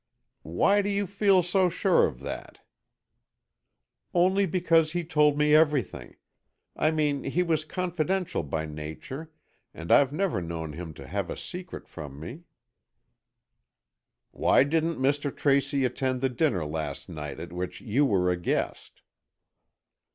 "Why do you feel so sure of that?" "Only because he told me everything. I mean he was confidential by nature and I've never known him to have a secret from me." "Why didn't Mr. Tracy attend the dinner last night at which you were a guest?"